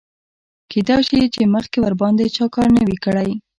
کیدای شي چې مخکې ورباندې چا کار نه وي کړی.